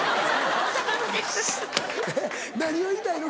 何を言いたいの？